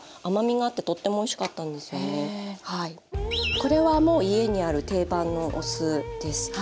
これはもう家にある定番のお酢です。